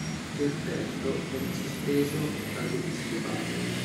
Gerberto venne sospeso dall'episcopato.